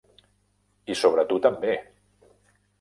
I sobre tu també!